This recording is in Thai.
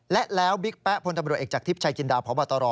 และแล้วบิ๊กแป๊ะพลตำรวจเอกจากทิพย์ชัยจินดาพบตร